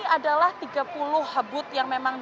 adalah tiga puluh booth yang memang